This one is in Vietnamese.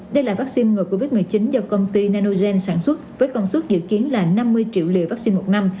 đây là vaccine ngừa covid một mươi chín do công ty nanogen sản xuất với công suất dự kiến là năm mươi triệu liều vaccine một năm